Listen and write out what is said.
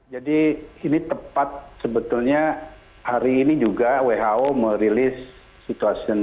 jadi ini tepat sebetulnya hari ini juga who merilis situasi